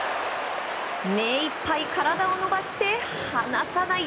目いっぱい体を伸ばして離さない。